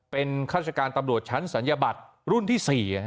เป็นข้าราชการตำรวจชั้นศัลยบัตรรุ่นที่๔